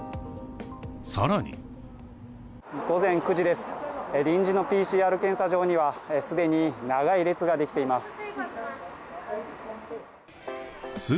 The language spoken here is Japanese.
更に午前９時です、臨時のＰＣＲ検査場には既に長い列ができてます。